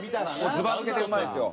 ずば抜けてうまいですよ。